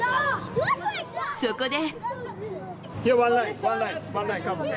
そこで。